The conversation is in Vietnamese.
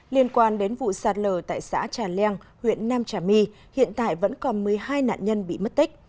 liên quan đến vụ sạt lờ tại xã trà leng huyện nam trà my hiện tại vẫn còn một mươi hai nạn nhân bị mất tích